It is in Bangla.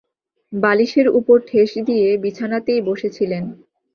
বালিশের উপর ঠেস দিয়ে বিছানাতেই বসে ছিলেন।